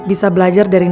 pagi rara yucin